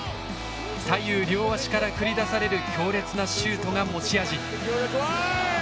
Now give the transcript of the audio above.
左右両足から繰り出される強烈なシュートが持ち味。